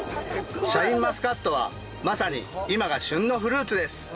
シャインマスカットはまさに今が旬のフルーツです。